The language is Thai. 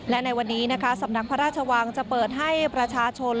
และในวันนี้นะคะสำนักพระราชวังจะเปิดให้ประชาชน